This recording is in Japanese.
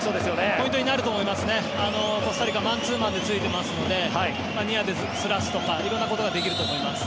ポイントになると思いますコスタリカ、マンツーマンでついていますのでニアでずらすとか色んなことができると思います。